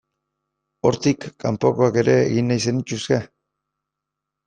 Hortik kanpokoak ere egin nahi zenituzke?